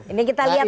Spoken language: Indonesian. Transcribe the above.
ini kita lihat ya